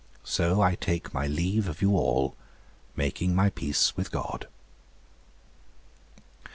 So I take my leave of you all, making my peace with God.